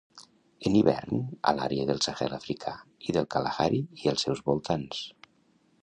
En hivern a l'àrea del Sahel africà i del Kalahari i els seus voltants.